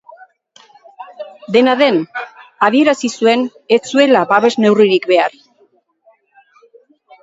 Dena den, adierazi zuen ez zuela babes-neurririk behar.